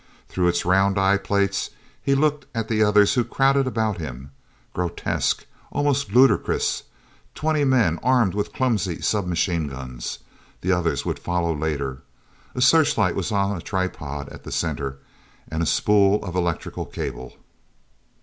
Through its round eye plates he looked at the others who crowded about him. Grotesque, almost ludicrous—twenty men, armed with clumsy sub machine guns; the others would follow later. A searchlight was on a tripod at the center, and a spool of electric cable.